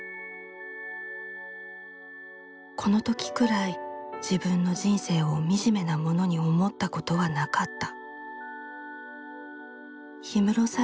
「このときくらい自分の人生を惨めなものに思ったことはなかった」。